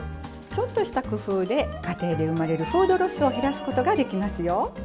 ちょっとした工夫で家庭で生まれるフードロスを減らすことができますよ。